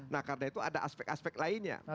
nah karena itu ada aspek aspek lainnya